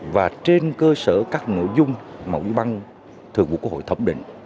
và trên cơ sở các nội dung mẫu băng thường của quốc hội thống định